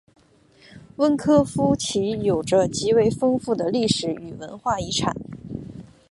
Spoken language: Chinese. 温科夫齐有着极为丰富的历史与文化遗产。